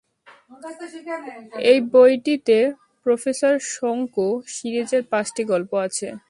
এই বইটিতে প্রোফেসর শঙ্কু সিরিজের পাঁচটি গল্প আছে।